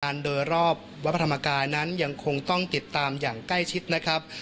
โดยรอบวัดพระธรรมกายนั้นยังคงต้องติดตามอย่างใกล้ชิดนะครับ